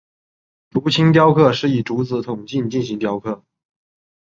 竹青雕刻是以竹子筒茎进行雕刻。